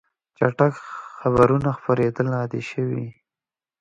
چټک خبرونه خپرېدل عادي شوي.